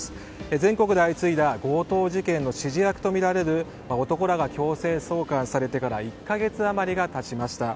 全国で相次いだ強盗事件の指示役とみられる男らが強制送還されてから１か月余りが経ちました。